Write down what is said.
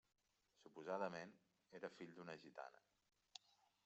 Suposadament era fill d'una gitana.